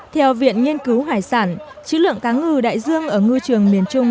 theo viện nghiên cứu hải sản chữ lượng cá ngừ đại dương ở ngư trường miền trung